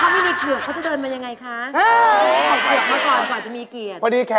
วันนี้